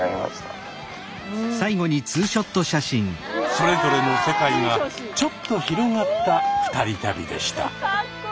それぞれの世界がちょっと広がった２人旅でした。